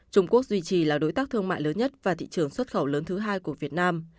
trung quốc duy trì là đối tác thương mại lớn nhất và thị trường xuất khẩu lớn thứ hai của việt nam